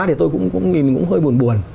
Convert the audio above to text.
thì tôi cũng nhìn hơi buồn buồn